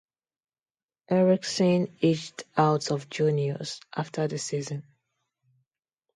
Erickson aged out of juniors after the season.